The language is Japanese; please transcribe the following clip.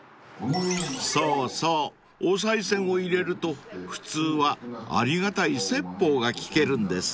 ［そうそうおさい銭を入れると普通はありがたい説法が聞けるんです］